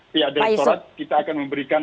pihak direkturat kita akan memberikan